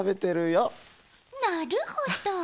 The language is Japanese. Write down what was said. なるほど。